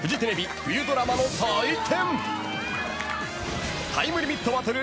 冬ドラマの祭典。